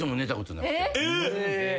え！